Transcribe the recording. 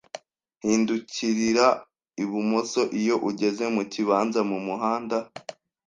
Hindukirira ibumoso iyo ugeze mukibanza mumuhanda.